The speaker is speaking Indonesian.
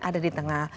ada di tengah